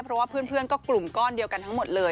เพราะว่าเพื่อนก็กลุ่มก้อนเดียวกันทั้งหมดเลย